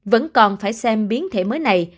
vẫn còn phải xem biến thể mới này